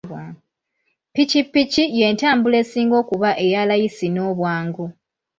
Ppikippiki y'entambula esinga okuba eya layisi n'obwangu.